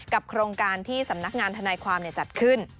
โครงการที่สำนักงานทนายความจัดขึ้น